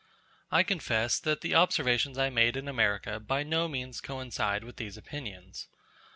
I confess that the observations I made in America by no means coincide with these opinions.